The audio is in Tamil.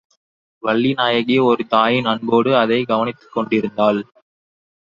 வள்ளிநாயகி ஒரு தாயின் அன்போடு அதைக் கவனித்துக்கொண்டிருந்தாள்.